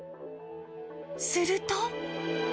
すると。